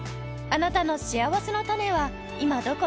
あなたのしあわせのたねは今どこに？